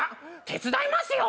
手伝いますよ